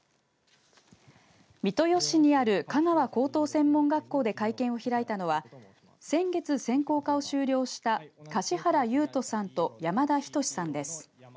三豊市にある香川高等専門学校で会見を開いたのは先月、専攻科を修了した柏原悠人さんと山田斉さんです。